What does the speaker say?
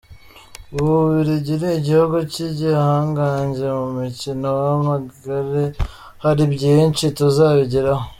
U Bubiligi ni igihugu cy’igihanganye mu mukino w’amagare, hari byinshi tuzabigiraho.